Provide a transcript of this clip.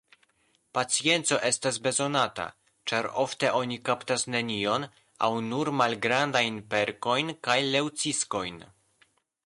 Pacienco estas bezonata, ĉar ofte oni kaptas nenion aŭ nur malgrandajn perkojn kaj leŭciskojn.